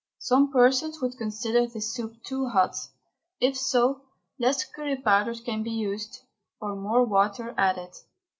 Some persons would consider this soup too hot; if so, less curry powder can be used or more water added.